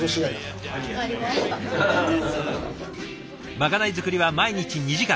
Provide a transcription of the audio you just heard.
まかない作りは毎日２時間。